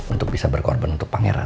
untuk bisa berkorban untuk pangeran